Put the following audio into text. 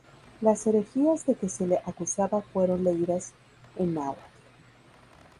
Las herejías de que se le acusaba fueron leídas en náhuatl.